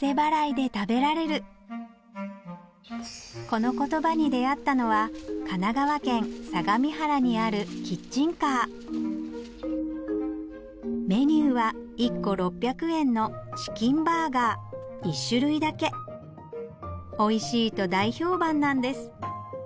このコトバに出合ったのは神奈川県相模原にあるキッチンカーメニューは１個６００円のチキンバーガー１種類だけおいしいと大評判なんです